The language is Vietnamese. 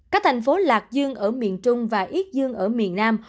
các thành phố lạc dương ở miền trung và yết dương ở miền nam